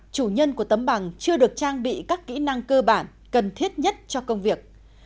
chủ nhân của tấm bằng chưa được trang bị các kỹ năng cơ bản cần thiết nhất cho công việc